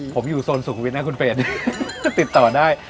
ผมอยู่โซนสุขุนวิทย์หน้าคุณเฟรนติดต่อได้